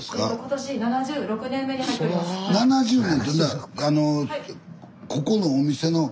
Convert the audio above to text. ７０年。